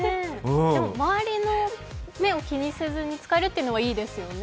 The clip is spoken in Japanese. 周りの目を気にせずに使えるっていうのはいいですね。